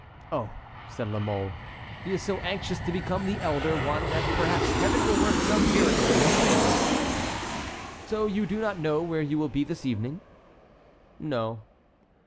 "Oh!" said La Mole, "he is so anxious to become the elder one that perhaps Heaven will work some miracle in his favor." "So you do not know where you will be this evening?" "No."